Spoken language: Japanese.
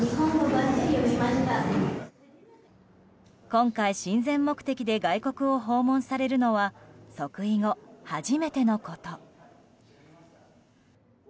今回、親善目的で外国を訪問されるのは即位後初めてのこと。